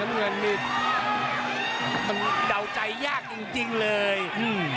มันมีมันเดาใจยากจริงจริงเลยอืม